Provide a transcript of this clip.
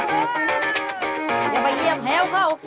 ดีมากมานเยี่ยมแฮลล์ข้าว